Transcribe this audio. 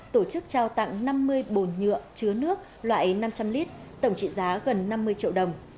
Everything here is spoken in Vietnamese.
tổ chức trao tặng năm mươi bồn nhựa chứa nước loại năm trăm linh lít tổng trị giá gần năm mươi triệu đồng